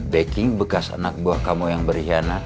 baking bekas anak buah kamu yang berkhianat